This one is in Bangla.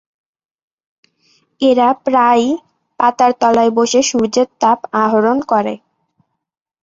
এরা প্রায়ই পাতার তলায় বসে সূর্যের তাপ আহরণ করে।